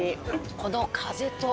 この風と。